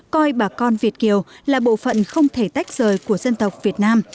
coi bà con việt kiều là bộ phận không thể tách rời của dân tộc việt nam